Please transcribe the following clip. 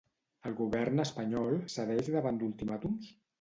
El govern espanyol cedeix davant d'ultimàtums?